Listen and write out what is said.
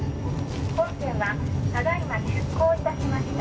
本船は、ただいま出港いたしました。